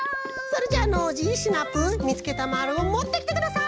それじゃあノージーシナプーみつけたまるをもってきてください！